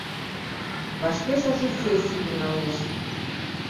Вашке шошо сессий тӱҥалеш.